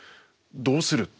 どうする？